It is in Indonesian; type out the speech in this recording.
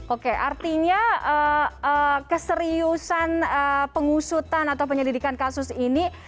oke artinya keseriusan pengusutan atau penyelidikan kasus ini